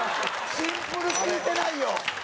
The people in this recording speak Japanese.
シンプル「聞いてないよ」！